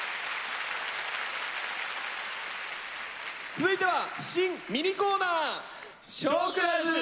続いては新ミニコーナー！